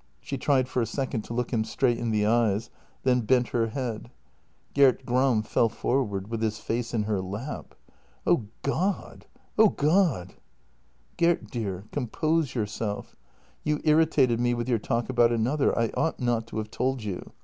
" She tried for a second to look him straight in the eyes, then bent her head. Gert Gram fell forward with his face in her lap. " O God! — O God! ..."" Gert, dear, compose yourself. You irritated me with your talk about another. I ought not to have told you.